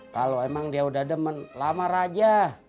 kalau emang dia udah demen lamar aja